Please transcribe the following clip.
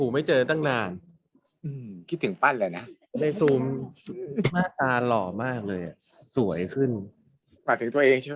ไม่เจอตั้งนานคิดถึงปั้นเลยนะรอมากเลยสวยขึ้นตัวเองใช่